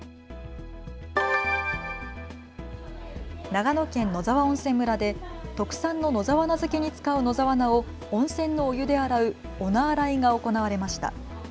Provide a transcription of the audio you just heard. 長野県野沢温泉村で特産の野沢菜漬に使う野沢菜を温泉のお湯で洗うお菜洗いが行われました。